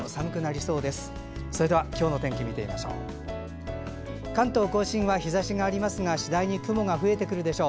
それでは今日の天気を見てみましょう。